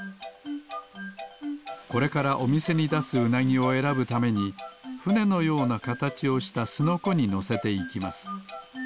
これからおみせにだすウナギをえらぶためにふねのようなかたちをしたスノコにのせていきます。